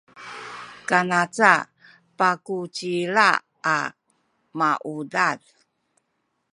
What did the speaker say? kanca pakucila a maudad